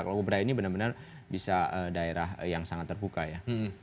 kalau kobra ini benar benar bisa daerah yang sangat terbuka ya